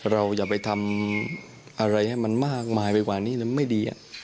เราอย่าไปทำอะไรให้มันมากมายไปกว่านี้แล้วไม่ดีอ่ะ